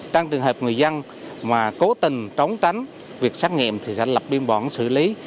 trong trường hợp người dân mà cố tình trống tránh việc xét nghiệm thì sẽ lập biên bản xử lý